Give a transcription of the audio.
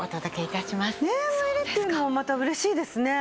ネーム入りっていうのもまた嬉しいですね。